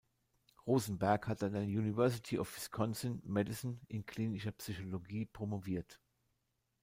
Rosenberg hat an der University of Wisconsin–Madison in klinischer Psychologie promoviert.